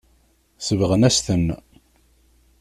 Sebɣen-as-ten.